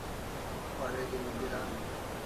Wareg'in piran